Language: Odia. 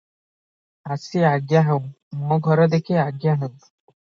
"ଆସି ଆଜ୍ଞା ହେଉ, ମୋ ଘର ଦେଖି ଆଜ୍ଞା ହେଉ ।"